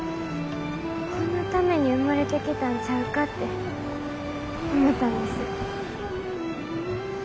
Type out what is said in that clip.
このために生まれてきたんちゃうかって思ったんです。